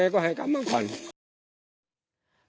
มีเรื่องอะไรมาคุยกันรับได้ทุกอย่าง